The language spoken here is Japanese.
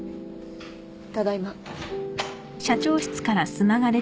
ただいま。